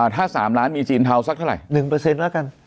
ถ้า๓ล้านมีจีนเทาสักเท่าไหร่๑เปอร์เซ็นต์แล้วกัน